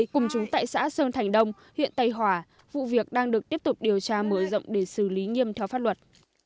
cùng chúng tại xã sơn thành đông huyện tây hòa vụ việc đang được tiếp tục điều tra mở rộng để xử lý nghiêm theo pháp luật